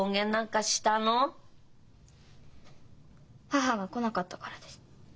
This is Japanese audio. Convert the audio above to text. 母が来なかったからです。